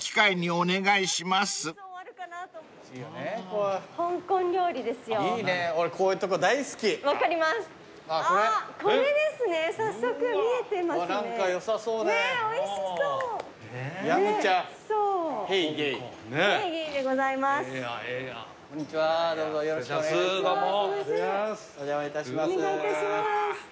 お願いいたします。